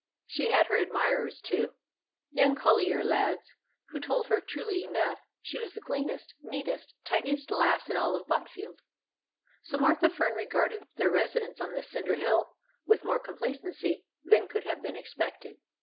She had her admirers, too young collier lads, who told her truly enough she was the cleanest, neatest, tidiest lass in all Botfield. So Martha Fern regarded their residence on the cinder hill with more complacency than could have been expected.